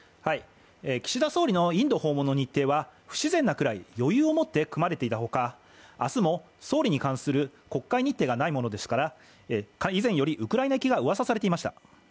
岸田総理のインド訪問の日程は不自然なくらい余裕を持って酌まれていたほか明日も総理に関する国会日程がないものですから依然より、ウクライナ訪問がうわさされていました。